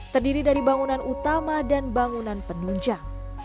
terdiri dari bangunan utama dan bangunan penunjang